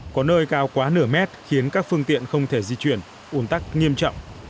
có nơi cao quá nửa mét khiến các phương tiện không thể di chuyển ủn tắc nghiêm trọng